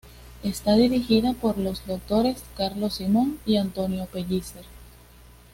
Está dirigida por los doctores Carlos Simón y Antonio Pellicer.